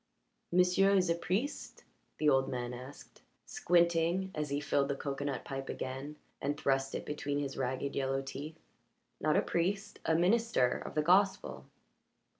"M'sieu' is a priest?" the old man asked, squinting at he filled the cocoanut pipe again and thrust it between his ragged yellow teeth. "Not a priest. A minister of the gospel."